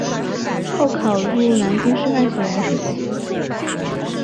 后考入南京师范学院数学系。